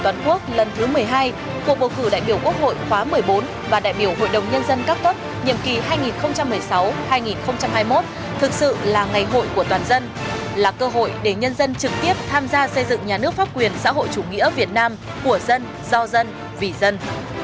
năm hai nghìn một mươi sáu hai nghìn hai mươi một thực sự là ngày hội của toàn dân là cơ hội để nhân dân trực tiếp tham gia xây dựng nhà nước pháp quyền xã hội chủ nghĩa việt nam của dân do dân vì dân